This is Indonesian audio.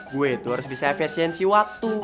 gue itu harus bisa efisiensi waktu